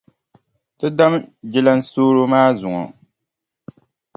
Ti dami jilansooro maa zuŋɔ.